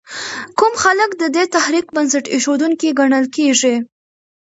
کوم خلک د دې تحریک بنسټ ایښودونکي ګڼل کېږي؟